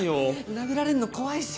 殴られんの怖いし！